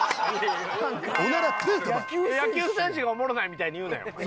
野球選手がおもろないみたいに言うなよお前。